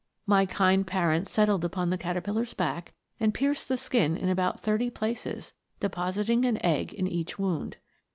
My kind parent settled upon the caterpillar's back, and pierced the skin in about thirty places, deposit ing an egg in each wound.